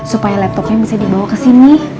supaya laptopnya bisa dibawa kesini